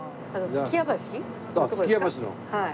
数寄屋橋の。